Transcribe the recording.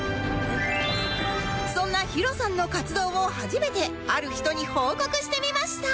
そんな ＨＩＲＯ さんの活動を初めてある人に報告してみました